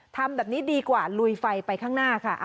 ทำแบบนี้ดีกว่าลุยไฟไปข้างหน้าค่ะ